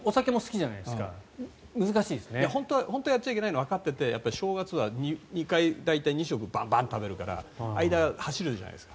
本当はやっちゃいけないのわかっていて正月は大体２食バンバンと食べて間、走るじゃないですか。